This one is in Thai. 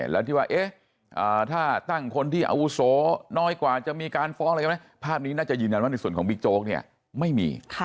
แล้วที่ว่าถ้าตั้งคนที่อาวุโสน้อยกว่าจะมีการฟ้องอะไรกันไหมภาพนี้น่าจะยืนยันว่าในส่วนของบิ๊กโจ๊กเนี่ยไม่มี